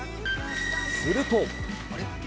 すると。